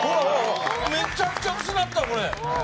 めちゃくちゃ薄なったこれ！